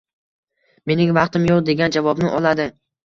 Mening vaqtim yo‘q” degan javobni oladi.